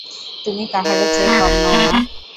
তুমি কাহারো চেয়ে কম নও মা!